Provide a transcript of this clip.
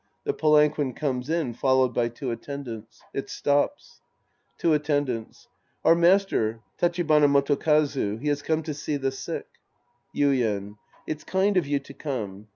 The palanquin comes in followed by two Attendants. It stops.) Two Attendants. Our master, Tachibana Moto kazu. He has come to see the sick. Yuien. It's kind of you to come.